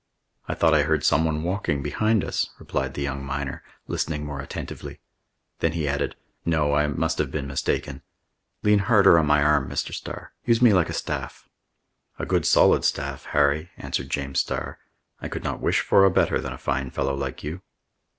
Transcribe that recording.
"I thought I heard someone walking behind us," replied the young miner, listening more attentively. Then he added, "No, I must have been mistaken. Lean harder on my arm, Mr. Starr. Use me like a staff." "A good solid staff, Harry," answered James Starr. "I could not wish for a better than a fine fellow like you."